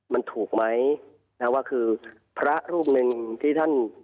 มันถูกไหมนะว่าคือพระรูปหนึ่งที่ท่าน